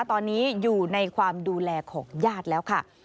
ตอนนี้อยู่ในความดูแลของญาติแล้วค่ะ